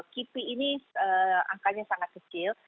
kipi ini angkanya sangat kecil